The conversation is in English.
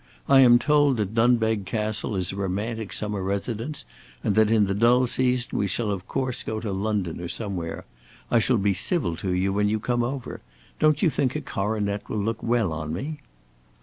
I am told that Dunbeg Castle is a romantic summer residence, and in the dull season we shall of course go to London or somewhere. I shall be civil to you when you come over. Don't you think a coronet will look well on me?"